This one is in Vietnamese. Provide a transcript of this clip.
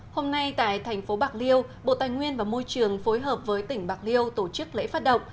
hôm nay tại thành phố bạc liêu bộ tài nguyên và môi trường phối hợp với tỉnh bạc liêu tổ chức lễ phát động